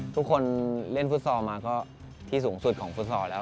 ทุกคนเล่นฟุตซอลมาก็ที่สูงสุดของฟุตซอลแล้ว